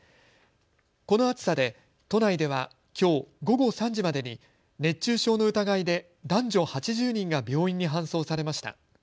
この暑さで都内ではきょう午後３時までに熱中症の疑いで男女８０人が病院に搬送されました。